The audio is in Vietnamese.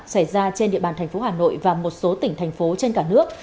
xảy ra trên địa bàn thành phố hà nội và một số tỉnh thành phố trên cả nước